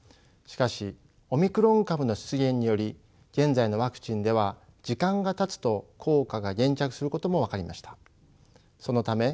しかしオミクロン株の出現により現在のワクチンでは時間がたつと効果が減弱することも分かりました。